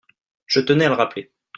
Je tenais à le rappeler.